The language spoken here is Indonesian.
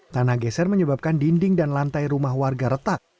tanah geser menyebabkan dinding dan lantai rumah warga retak